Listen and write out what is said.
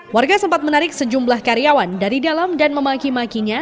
warga sempat menarik sejumlah karyawan dari dalam dan memaki makinya